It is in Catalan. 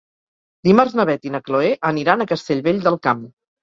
Dimarts na Beth i na Chloé aniran a Castellvell del Camp.